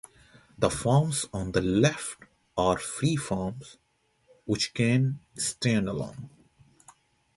The forms on the left are free forms, which can stand alone.